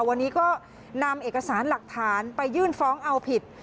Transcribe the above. วันนี้ก็นำเอกสารหลักฐานไปยื่นฟ้องเอาผิด